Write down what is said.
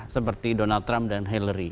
seperti donald trump dan hillary